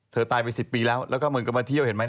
เธอตายไป๑๐ปีแล้วแล้วก็ก็มาเที่ยวเห็นไหม